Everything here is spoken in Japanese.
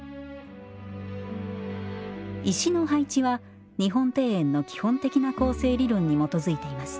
石の配置は日本庭園の基本的な構成理論に基づいています